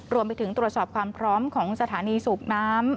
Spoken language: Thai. รวมไปถึงตรวจสอบความพร้อมของสถานีสูบน้ำ